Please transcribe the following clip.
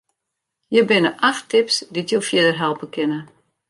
Hjir binne acht tips dy't jo fierder helpe kinne.